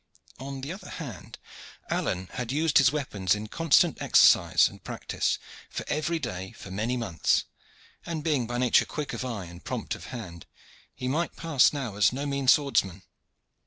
On the other hand, Alleyne had used his weapons in constant exercise and practice on every day for many months, and being by nature quick of eye and prompt of hand, he might pass now as no mean swordsman.